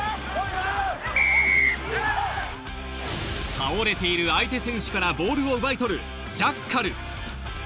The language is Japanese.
倒れている相手選手からボールを奪い取るジャッカル。